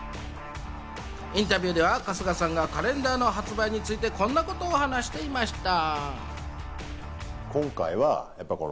インタビューでは春日さんがカレンダーの発売について、こんなことを話していました。